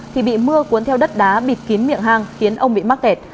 thì bị mưa cuốn theo đất đá bịt kín miệng hang khiến ông bị mắc kẹt